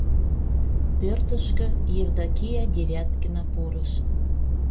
Пӧртышкӧ Евдокия Девяткина пурыш.